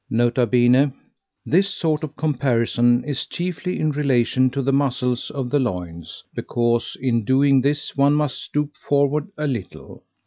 (N.B. This sort of comparison is chiefly in relation to the muscles of the loins; because in doing this one must stoop forward a little.